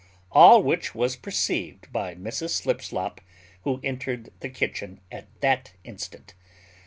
All which was perceived by Mrs Slipslop, who entered the kitchen at that instant.